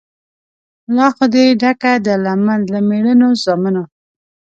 لا خو دي ډکه ده لمن له مېړنو زامنو